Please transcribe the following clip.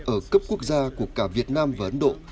ở cấp quốc gia của cả việt nam và ấn độ